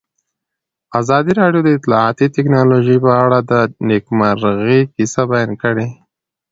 ازادي راډیو د اطلاعاتی تکنالوژي په اړه د نېکمرغۍ کیسې بیان کړې.